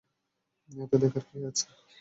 এতে দেখার কি আছে?